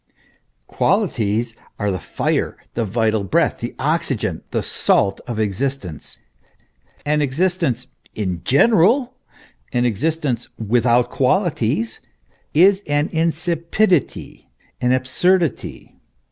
Qualities are the fire, the vital breath, the oxygen, the salt of existence. An existence in general, an existence without qualities, is an insipidity, an absurdity.